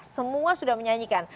semua sudah menyanyikan